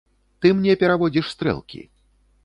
Ты мне пераводзіш стрэлкі.